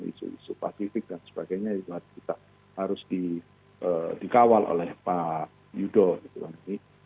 isu isu pasifik dan sebagainya juga harus dikawal oleh pak yudo gitu kan